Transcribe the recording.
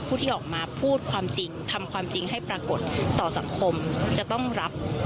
ที่ออกมาพูดความจริงทำความจริงให้ปรากฏต่อสังคมจะต้องรับ